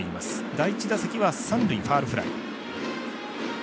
第１打席は三塁ファウルフライ。